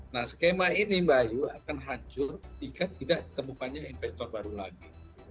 nah skema ini mbak ayu akan hancur jika tidak ditemukannya investor baru lagi